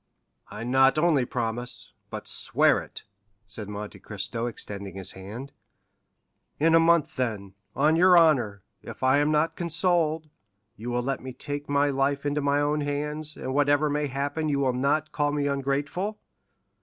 "I not only promise, but swear it!" said Monte Cristo extending his hand. "In a month, then, on your honor, if I am not consoled, you will let me take my life into my own hands, and whatever may happen you will not call me ungrateful?"